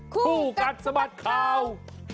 คู่กัดสะบัดข่าว